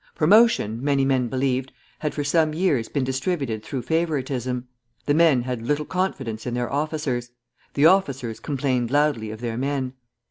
Promotion, many men believed, had for some years been distributed through favoritism. The men had little confidence in their officers, the officers complained loudly of their men.